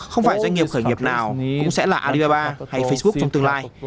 không phải doanh nghiệp khởi nghiệp nào cũng sẽ là alibaba hay facebook trong tương lai